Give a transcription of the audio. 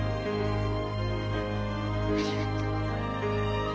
ありがとう。